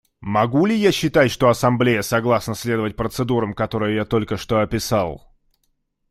Могу ли я считать, что Ассамблея согласна следовать процедурам, которые я только что описал?